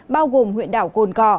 bao gồm huyện đảo cồn cò